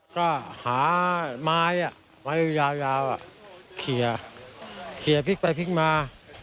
ก็หาไม้ไม้ยาวเขียวขีดไปขีดมา